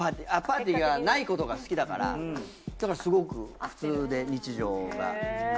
パーティーがないことが好きだからだからすごく普通で日常が。